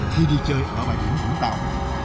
khi đi chơi ở bãi biển vũng tàu